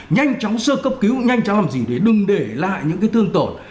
nhanh chóng sơ cấp cứu nhanh chóng làm gì để đừng để lại những thương tổn